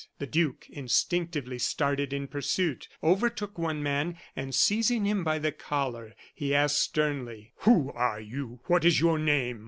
The duke instinctively started in pursuit, overtook one man, and seizing him by the collar, he asked, sternly: "Who are you? What is your name?"